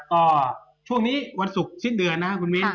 ก็ช่วงนี้วันศุกร์สิ้นเดือนนะครับคุณมิ้น